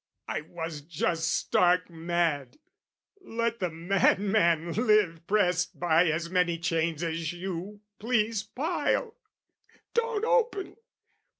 I was just stark mad, let the madman live Pressed by as many chains as you please pile! Don't open!